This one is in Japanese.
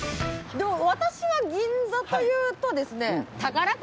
私は銀座というとですね。